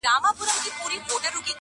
• امتحان لره راغلی کوه کن د زمانې یم,